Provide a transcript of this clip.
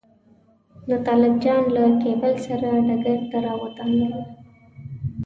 نو طالب جان له کېبل سره ډګر ته راودانګل.